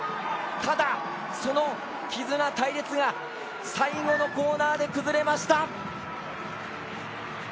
ただその絆、隊列が最後のコーナーで崩れました。